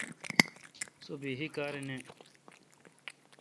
سو بحی کار نہ۔